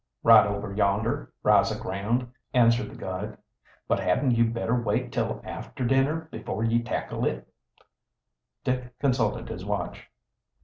"Right over yonder rise o' ground," answered the guide. "But hadn't you better wait till after dinner before ye tackle it?" Dick consulted his watch.